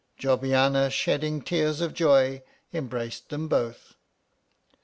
Jobbiaua, shedding tears of joy, embraced them both.